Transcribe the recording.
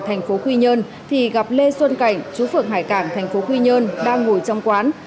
thành phố quy nhơn thì gặp lê xuân cảnh chú phượng hải cảng thành phố quy nhơn đang ngồi trong quán